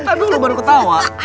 tadi dulu baru ketawa